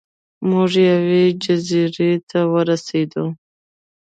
موږ یوې جزیرې ته ورسیدو.